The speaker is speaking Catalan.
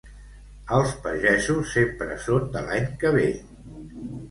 Els pagesos sempre són de l'any que ve.